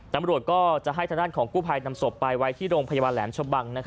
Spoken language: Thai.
ตำรวจก็จะให้ทางด้านของกู้ภัยนำศพไปไว้ที่โรงพยาบาลแหลมชะบัง